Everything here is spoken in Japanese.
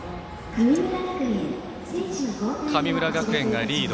神村学園がリード。